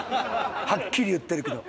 はっきり言ってるけど。